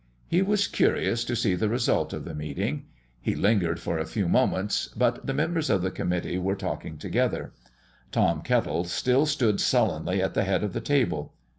He was curious to see the result of the meeting. He lingered for a few moments, but the members of the committee were talking together. Tom Kettle still stood sullenly at the head of the table.